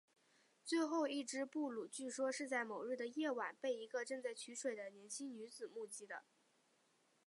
最后一只布鲁据说是在某日的夜晚被一个正在取水的年轻女子目击的。